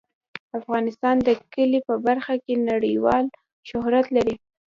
افغانستان د کلي په برخه کې نړیوال شهرت لري.